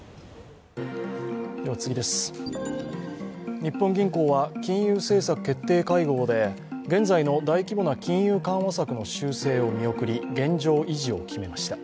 日本銀行は金融政策決定会合で現在の大規模な金融緩和策の修正を見送り、現状維持を決めました。